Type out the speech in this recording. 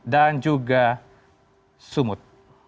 dan juga sumut